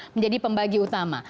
menjadi pembagi utama